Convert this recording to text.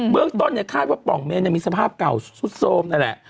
เมืองต้นเนี่ยคาดว่าปล่องเมนมีสภาพเก่าสุดโทรมนั่นแหละ